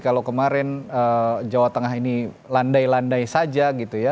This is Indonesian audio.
kalau kemarin jawa tengah ini landai landai saja gitu ya